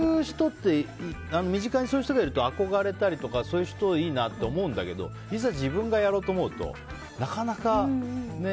でも、身近にそういう人がいると憧れたりとか、そういう人いいなと思うんだけどいざ自分がやろうと思うとなかなかね。